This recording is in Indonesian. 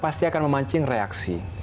pasti akan memancing reaksi